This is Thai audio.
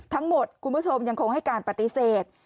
ทั้งหมดคุณผู้ชมยังคงให้การปฏิเสธ